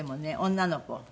女の子。